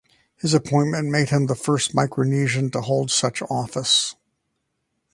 His appointment made him the first Micronesian to hold such office.